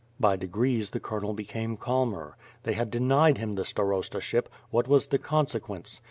By degrees, the colonel became calmer. They had denied him the starostaship — what was the consequence?